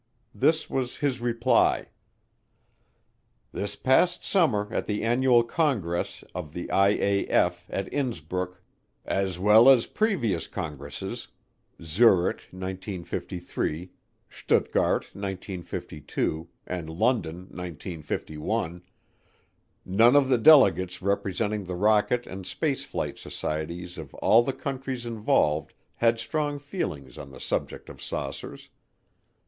This was his reply: This past summer at the Annual Congress of the IAF at Innsbruck, as well as previous Congresses (Zurich, 1953, Stuttgart, 1952, and London, 1951), none of the delegates representing the rocket and space flight societies of all the countries involved had strong feelings on the subject of saucers.